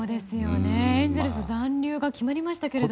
エンゼルス残留が決まりましたけども。